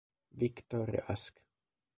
Victor Rask